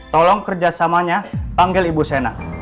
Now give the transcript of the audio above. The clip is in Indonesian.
tolong kerjasamanya panggil ibu sena